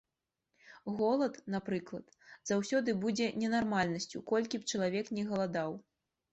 Голад, напрыклад, заўсёды будзе ненармальнасцю, колькі б чалавек ні галадаў.